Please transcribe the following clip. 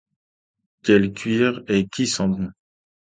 Quel cuir, et qui sent bon.